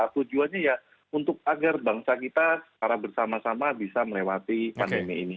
tujuannya ya untuk agar bangsa kita secara bersama sama bisa melewati pandemi ini